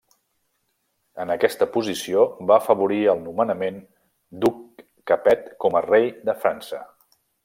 En aquesta posició va afavorir el nomenament d'Hug Capet com a rei de França.